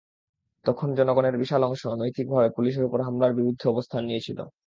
তখন জনগণের বিশাল অংশ নৈতিকভাবে পুলিশের ওপর হামলার বিরুদ্ধে অবস্থান নিয়েছিল।